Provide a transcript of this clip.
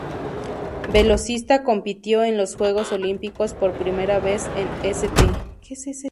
Velocista, compitió en los Juegos Olímpicos por primera vez en St.